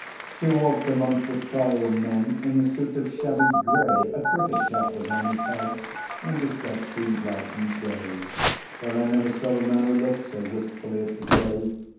He walked amongst the Trial Men In a suit of shabby grey; A cricket cap was on his head, And his step seemed light and gay; But I never saw a man who looked So wistfully at the day.